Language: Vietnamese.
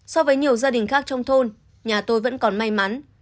so với nhiều gia đình khác trong thôn nhà tôi vẫn còn may mắn